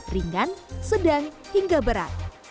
ringan sedang hingga berat